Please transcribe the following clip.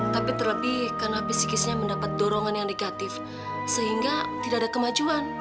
tapi terlebih karena psikisnya mendapat dorongan yang negatif sehingga tidak ada kemajuan